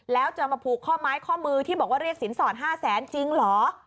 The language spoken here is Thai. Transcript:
แล้วจะมาผูกข้อม้ายข้อมือที่บอกว่าเรียกศิลป์สอน๕๐๐๐๐๐จริงเหรอ